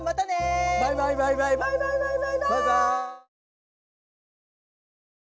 バイバイバイバイバイバイバイバイバーイ！